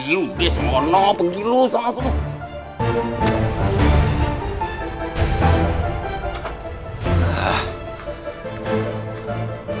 yaudah selonok pergi lu sama sama